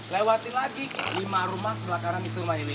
lewatin lagi lima rumah sebelah kanan itu rumah ini